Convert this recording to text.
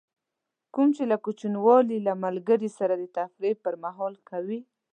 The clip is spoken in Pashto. کوم چې له کوچنیوالي له ملګري سره د تفریح پر مهال کوئ.